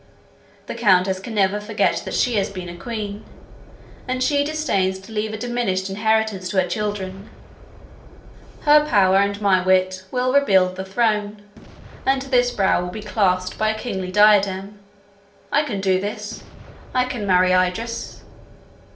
The Countess can never forget that she has been a queen, and she disdains to leave a diminished inheritance to her children; her power and my wit will rebuild the throne, and this brow will be clasped by a kingly diadem.—I can do this—I can marry Idris."